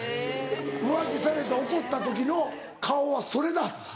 「浮気されて怒った時の顔はそれだ。